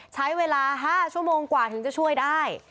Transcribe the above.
ใช้เวลา๕ชั่วโมงกว่าถึงจะช่วยได้